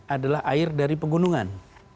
adalah air dari penggunungan